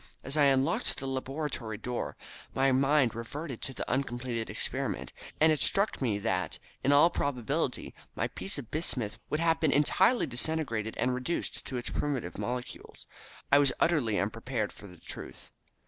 As I unlocked the laboratory door my mind reverted to the uncompleted experiment, and it struck me that in all probability my piece of bismuth would have been entirely disintegrated and reduced to its primitive molecules. I was utterly unprepared for the truth.